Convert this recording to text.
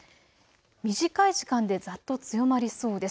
短い時間でざっと強まりそうです。